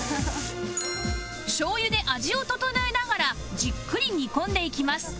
醤油で味を調えながらじっくり煮込んでいきます